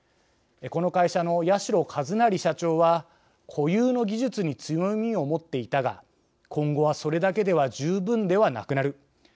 この会社の八代一成社長は「固有の技術に強みを持っていたが今後は、それだけでは十分ではなくなる。